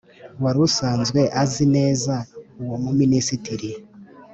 wari usanzwe azi neza uwo muminisititri